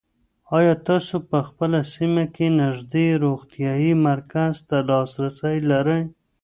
آیا تاسو په خپله سیمه کې نږدې روغتیایي مرکز ته لاسرسی لرئ؟